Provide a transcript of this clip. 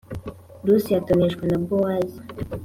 Rusi atoneshwa na Bowazi